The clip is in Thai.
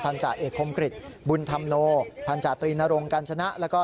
พันธ์อเอกคมกริตบุณธรรโนพันธ์จาตรีณรงค์กันชนะและลักษณะ